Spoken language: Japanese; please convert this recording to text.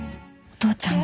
お父ちゃん！